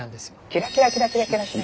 キラキラキラキラキラキラ。